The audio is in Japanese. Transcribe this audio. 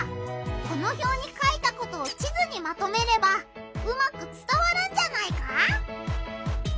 このひょうに書いたことを地図にまとめればうまくつたわるんじゃないか？